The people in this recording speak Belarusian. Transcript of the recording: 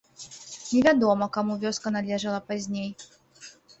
Невядома, каму вёска належала пазней.